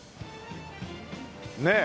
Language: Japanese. ねえ。